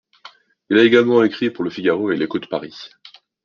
Il a également écrit pour Le Figaro et L'Écho de Paris.